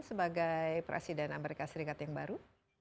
sebagai presiden amerika serikat yang baru